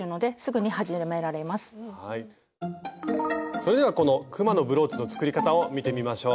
それではこのくまのブローチの作り方を見てみましょう。